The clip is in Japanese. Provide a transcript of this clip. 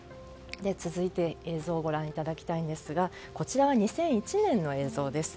続いて、映像をご覧いただきたいんですがこちらは２００１年の映像です。